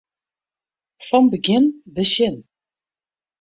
Fan begjin besjen.